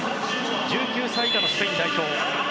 １９歳以下のスペイン代表。